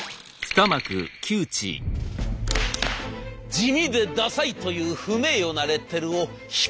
「地味でダサい」という不名誉なレッテルを引っぺがしてやる！